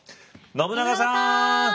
信長さん！